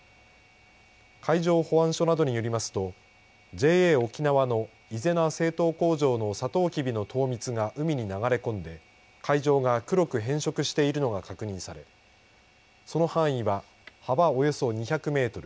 海上保安署などによりますとＪＡおきなわの伊是名製糖工場のさとうきびの糖蜜が海に流れ込んで海上が黒く変色しているのが確認されその範囲は幅およそ２００メートル